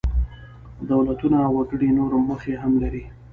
دولتونه او وګړي نورې موخې هم لري.